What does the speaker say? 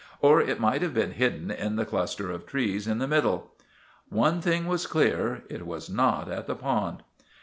Or it might have been hidden in the cluster of trees in the middle. One thing was clear. It was not at the pond.